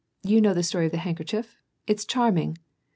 You know the story of the handkerchief ? It's charming